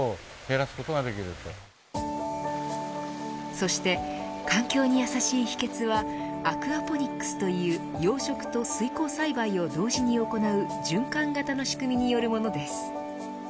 そして環境に優しい秘訣はアクアポニックスという養殖と水耕栽培を同時に行う循環型の仕組みによるものです。